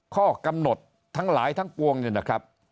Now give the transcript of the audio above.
ข้อกำหนดทั้งหลายทั้งปวงเนี่ยนะครับ